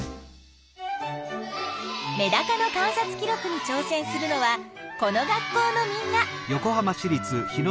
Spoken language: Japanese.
メダカの観察記録にちょう戦するのはこの学校のみんな。